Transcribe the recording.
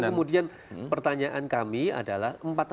kemudian pertanyaan kami adalah